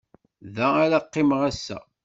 Da ara qqimeɣ ass-a.